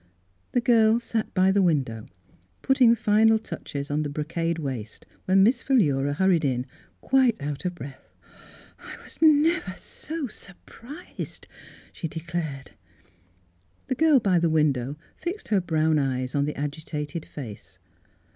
The girl sat by the window putting the Miss Philura's Weddmg Gown final touches on the brocade waist when Miss Philura hurried in, quite out of breath. " I was never so surprised !" she de clared. The girl by the window fixed her brown eyes on the agitated face.